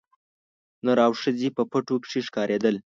نر او ښځي په پټو کښي ښکارېدل